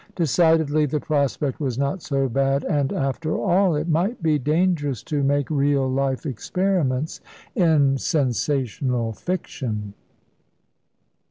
Decidedly the prospect was not so bad, and, after all, it might be dangerous to make real life experiments in sensational fiction.